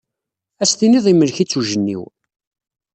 Ad as-tiniḍ yemlek-itt ujenniw.